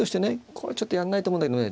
これはちょっとやんないと思うんだけどね